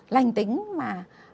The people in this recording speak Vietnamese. lành tính mà